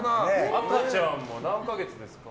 赤ちゃんも何か月ですか？